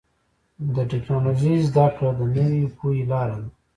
د ټکنالوجۍ زدهکړه د نوې پوهې لاره ده.